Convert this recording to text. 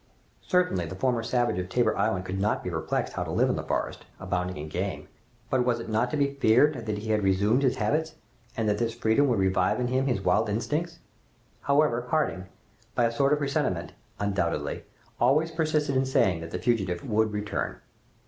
Certainly, the former savage of Tabor island could not be perplexed how to live in the forest, abounding in game, but was it not to be feared that he had resumed his habits, and that this freedom would revive in him his wild instincts? However, Harding, by a sort of presentiment, doubtless, always persisted in saying that the fugitive would return.